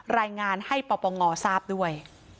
รายงานให้ประปังงอตรวจสอบด้วย